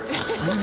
何？